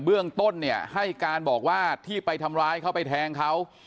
เบื้องต้นเนี่ยให้การบอกว่าที่ไปทำร้ายเขาไปแทงเขา